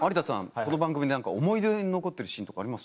この番組で何か思い出に残ってるシーンとかあります？